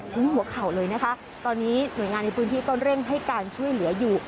หัวเข่าเลยนะคะตอนนี้หน่วยงานในพื้นที่ก็เร่งให้การช่วยเหลืออยู่